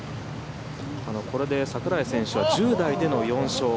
これで櫻井選手は１０代での４勝。